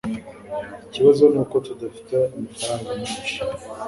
Ikibazo nuko tudafite amafaranga menshi